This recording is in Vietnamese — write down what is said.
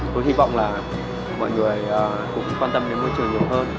tôi hy vọng là mọi người cũng quan tâm đến môi trường nhiều hơn